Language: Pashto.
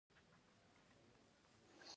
په افغانستان کې د خاورې تاریخ خورا ډېر اوږد دی.